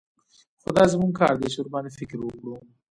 خو دا زموږ کار دى چې ورباندې فکر وکړو.